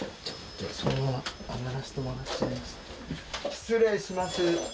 失礼します。